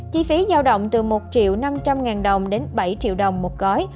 chi phí giao động từ một năm trăm linh đồng đến bảy triệu đồng một gói